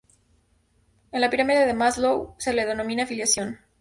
En la pirámide de Maslow se la denomina: Afiliación.